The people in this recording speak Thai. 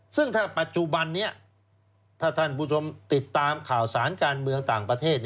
ซึ่งถ้าปัจจุบันนี้ถ้าท่านผู้ชมติดตามข่าวสารการเมืองต่างประเทศ